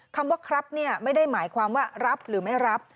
คำว่าครับไม่ได้หมายความว่ารับหรือไม่รับ